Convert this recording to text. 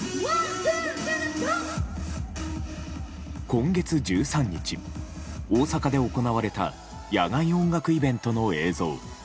今月１３日、大阪で行われた野外音楽イベントの映像。